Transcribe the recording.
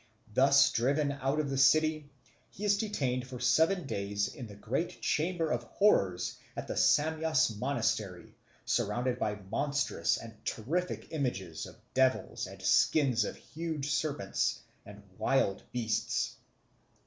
Thus driven out of the city, he is detained for seven days in the great chamber of horrors at the Samyas monastery, surrounded by monstrous and terrific images of devils and skins of huge serpents and wild beasts.